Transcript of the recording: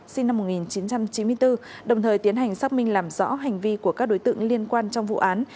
sinh năm một nghìn chín trăm chín mươi bốn đồng thời tiến hành xác minh làm rõ hành vi của các đối tượng liên quan trong vụ án